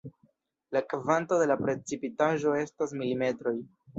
La kvanto de precipitaĵo estas milimetroj.